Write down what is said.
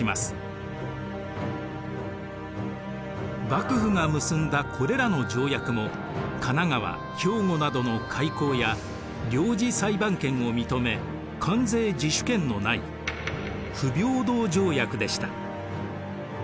幕府が結んだこれらの条約も神奈川兵庫などの開港や領事裁判権を認め関税自主権のない不平等条約でした。